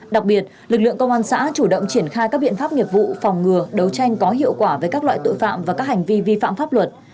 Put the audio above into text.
đặc biệt lực lượng công an xã chủ động triển khai các biện pháp nghiệp vụ phòng ngừa đấu tranh có hiệu quả với các loại tội phạm và các hành vi vi phạm pháp luật